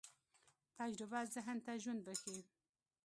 تجربه ذهن ته ژوند بښي.